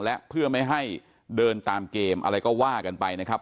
และเพื่อไม่ให้เดินตามเกมอะไรก็ว่ากันไปนะครับ